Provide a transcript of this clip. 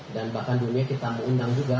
dan bahkan dunia kita mengundang juga